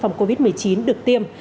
phòng covid một mươi chín được tiêm